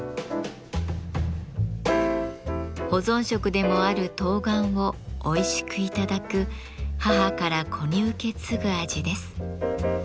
保存食でもある冬瓜をおいしく頂く母から子に受け継ぐ味です。